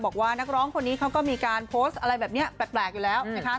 บอกว่านักร้องคนนี้เขาก็มีการโพสต์อะไรแบบนี้แปลกอยู่แล้วนะคะ